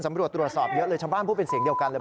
ตำรวจตรวจสอบเยอะเลยชาวบ้านพูดเป็นเสียงเดียวกันเลย